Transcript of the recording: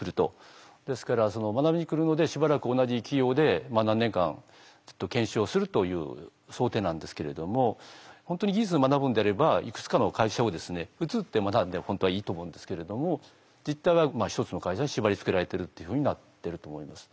ですから学びに来るのでしばらく同じ企業でまあ何年間ずっと研修をするという想定なんですけれども本当に技術を学ぶんであればいくつかの会社を移って学んで本当はいいと思うんですけれども実態は１つの会社に縛りつけられてるっていうふうになってると思います。